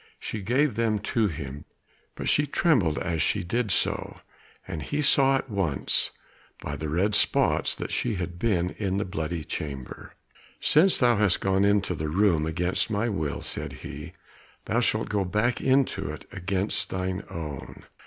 She gave them to him, but she trembled as she did so, and he saw at once by the red spots that she had been in the bloody chamber. "Since thou hast gone into the room against my will," said he, "thou shalt go back into it against thine own.